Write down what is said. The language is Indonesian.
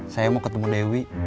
saya mau ketemu dewi